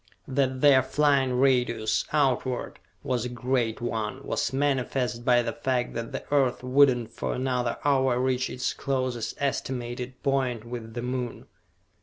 That their flying radius, outward, was a great one, was manifest by the fact that the Earth would not for another hour reach its closest estimated point with the Moon.